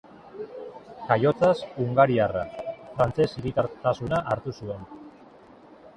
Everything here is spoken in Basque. Jaiotzaz hungariarra, frantses hiritartasuna hartu zuen.